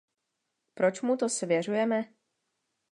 Proč mu to svěřujeme?